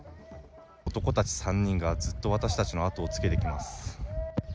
男たち３人がずっと私たちのあとをつけてきます。